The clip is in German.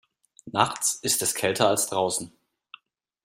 Nachts ist es kälter als draußen.